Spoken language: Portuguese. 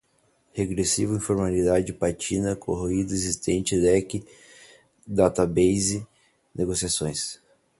regressivos, informalidade, patina, corroídos, existentes, leque, data-base, negociações